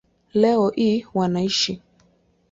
Leo hii wanaishi